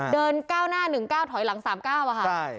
เดินก้าวหน้าหนึ่งก้าวถอยหลังสามก้าวอ่ะค่ะใช่